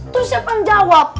terus siapa yang jawab